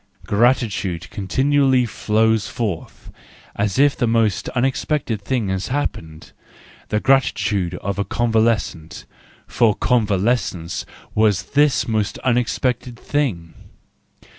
... Gratitude continually flows forth, as if the most unexpected thing had happened, the gratitude of a convalescent—for convalescence was this most unexpected thing.